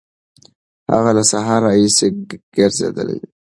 هغه له سهاره راهیسې ګرځېدلی دی.